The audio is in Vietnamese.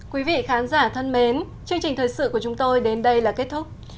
quý vị khán giả thân mến chương trình thời sự của chúng tôi đến đây là kết thúc